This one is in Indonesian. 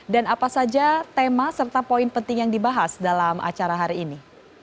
dan apa saja tema serta poin penting yang dibahas dalam acara hari ini